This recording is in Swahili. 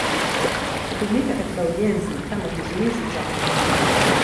Hutumika katika ujenzi kama kizuizi cha moto.